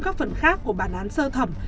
các phần khác của bản án sơ thẩm